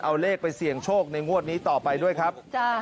เอาเลขไปเสี่ยงโชคในงวดนี้ต่อไปด้วยครับ